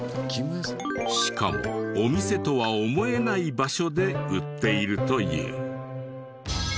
しかもお店とは思えない場所で売っているという。